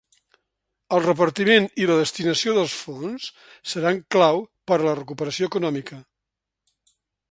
El repartiment i la destinació dels fons seran clau per a la recuperació econòmica.